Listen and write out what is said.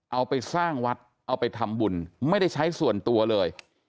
เอาไปสร้างวัดเอาไปทำบุญไม่ได้ใช้ส่วนตัวเลย